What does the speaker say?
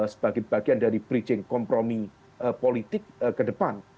sebagai bagian dari bridging kompromi politik ke depan